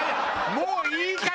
もういいからな！